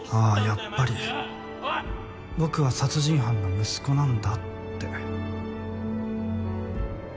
やっぱり僕は殺人犯の息子なんだって。